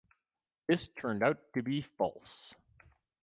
This turned out to be false.